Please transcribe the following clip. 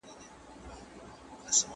استاد د شاګرد پوښتنې څنګه ارزوي؟